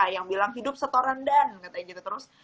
yang bilang hidup setoran katanya gitu terus